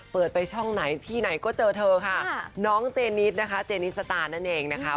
เปิดไปช่องไหนที่ไหนก็เจอเธอค่ะน้องเจนิสนะคะเจนิสตาร์นั่นเองนะคะ